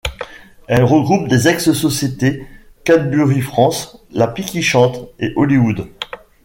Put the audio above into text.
Elle regroupe les ex-sociétés Cadbury France, La Pie qui Chante et Hollywood.